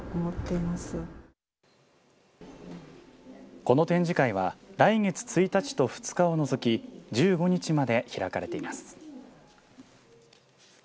この展示会は来月１日と２日を除き１５日まで開かれています。